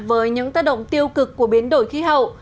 với những tác động tiêu cực của biến đổi khí hậu